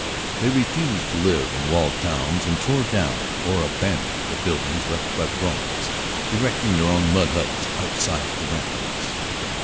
They refused to live in walled towns, and tore down or abandoned the buildings left by the Romans, erecting their own mud huts outside the ramparts.